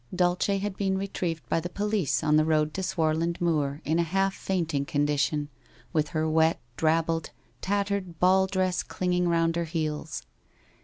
Dulce had been retrieved by the police on the road to Swarland Moor in a half fainting condition with her wet drabbled, tattered ball dress clinging round her heels.